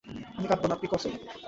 আমি কাঁদব না আপ্পি, কসম।